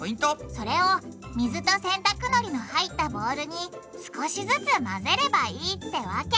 それを水と洗濯のりの入ったボウルに少しずつ混ぜればいいってわけ！